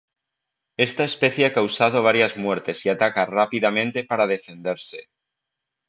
Esta especie ha causado varias muertes y ataca rápidamente para defenderse.